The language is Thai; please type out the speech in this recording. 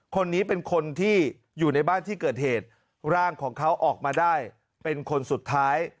คนนี้เป็นคนที่อยู่ในบ้านที่เกิดเหตุร่างของเขาออกมาได้เป็นคนสุดท้าย